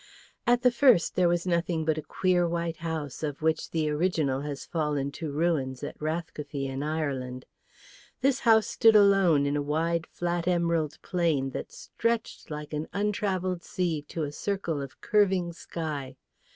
At the first there was nothing but a queer white house of which the original has fallen to ruins at Rathcoffey in Ireland. This house stood alone in a wide flat emerald plain that stretched like an untravelled sea to a circle of curving sky.